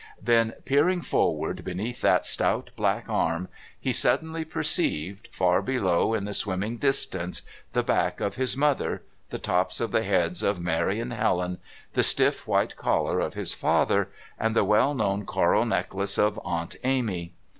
Then, peering forward beneath that stout black arm, he suddenly perceived, far below in the swimming distance, the back of his mother, the tops of the heads of Mary and Helen, the stiff white collar of his father, and the well known coral necklace of Aunt Amy.